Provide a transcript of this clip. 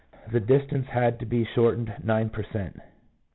the distance had to be shortened 9 per cent.